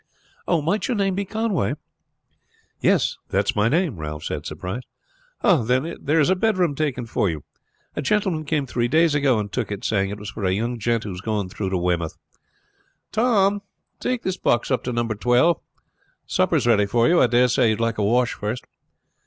"Oh, might your name be Conway?" "Yes, that is my name," Ralph said, surprised. "Ah, then there is a bedroom taken for you. A gentleman came three days ago and took it, saying it was for a young gent who is going through to Weymouth. Tom," she called, "take this box up to number 12. Supper is ready for you, sir. I dare say you would like a wash first?"